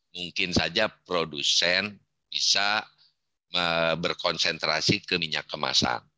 mungkin saja produsen bisa berkonsentrasi ke minyak kemasan